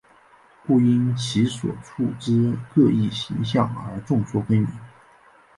故因其所处之各异形象而众说纷纭。